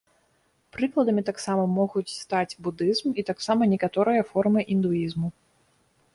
Прыкладамі таксама могуць стаць будызм і таксама некаторыя формы індуізму.